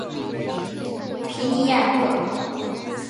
皮尼亚克。